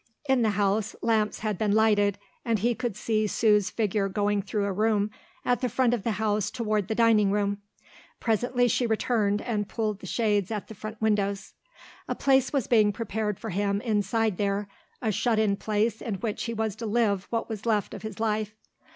In the house lamps had been lighted and he could see Sue's figure going through a room at the front of the house toward the dining room. Presently she returned and pulled the shades at the front windows. A place was being prepared for him inside there, a shut in place in which he was to live what was left of his life.